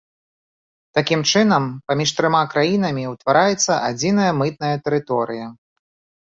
Такім чынам, паміж трыма краінамі ўтвараецца адзіная мытная тэрыторыя.